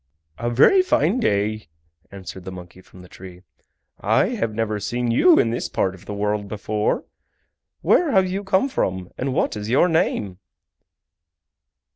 "A very fine day," answered the monkey from the tree. "I have never seen you in this part of the world before. Where have you come from and what is your name?"